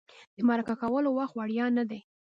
د مرکه کولو وخت وړیا نه دی.